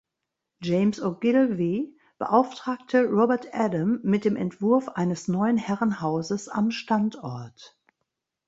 James Ogilvy beauftragte Robert Adam mit dem Entwurf eines neuen Herrenhauses am Standort.